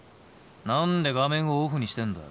何で画面をオフにしてんだよ。